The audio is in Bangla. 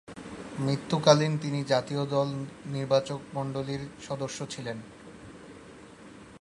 মৃত্যুকালীন তিনি জাতীয় দল নির্বাচকমণ্ডলীর সদস্য ছিলেন।